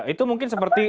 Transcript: itu mungkin seperti apa